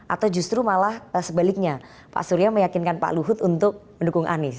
atau justru malah sebaliknya pak surya meyakinkan pak luhut untuk mendukung anies